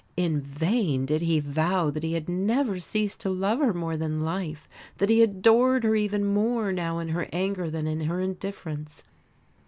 In vain did he vow that he had never ceased to love her more than life that he adored her even more now in her anger than in her indifference.